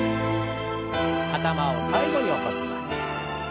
頭を最後に起こします。